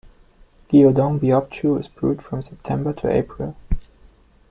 Gyodong-beopju is brewed from September to April.